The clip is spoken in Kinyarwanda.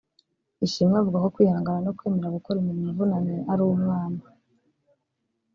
Ishimwe avuga ko kwihangana no kwemera gukora imirimo ivunanye ari umwana